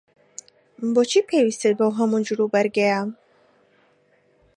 بۆچی پێویستت بەو هەموو جلوبەرگەیە؟